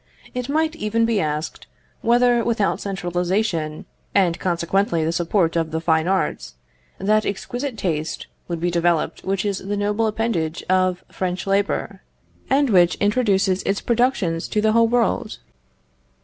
It might even be asked, whether, without centralisation, and consequently the support of the fine arts, that exquisite taste would be developed which is the noble appendage of French labour, and which introduces its productions to the whole world?